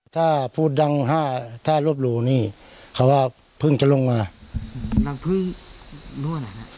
ถ้าพูดดังห้าถ้ารวบหรูนี่เขาว่าเพิ่งจะลงมานั่งพึ่งนู่น